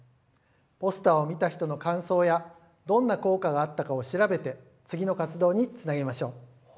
ポスターを見た人の感想やどんな効果があったかを調べて次の活動につなげましょう。